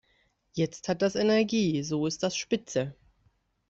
Jetzt hat das Energie, so ist das spitze.